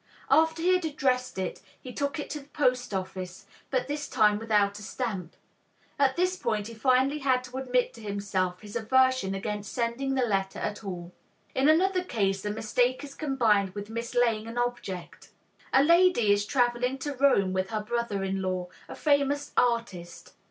After he had addressed it he took it to the post office, but this time without a stamp. At this point he finally had to admit to himself his aversion against sending the letter at all. In another case a mistake is combined with mislaying an object. A lady is traveling to Rome with her brother in law, a famous artist.